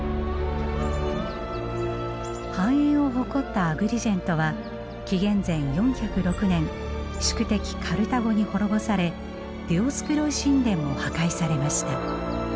繁栄を誇ったアグリジェントは紀元前４０６年宿敵カルタゴに滅ぼされディオスクロイ神殿も破壊されました。